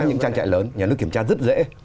những trang trại lớn nhà nước kiểm tra rất dễ